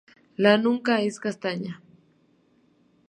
La nuca es castaña.